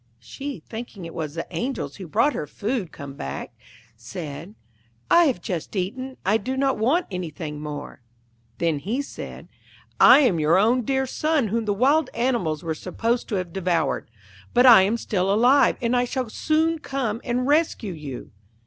She, thinking it was the Angels who brought her food come back, said, 'I have just eaten; I do not want anything more.' Then he said, 'I am your own dear son whom the wild animals were supposed to have devoured; but I am still alive, and I shall soon come and rescue you.'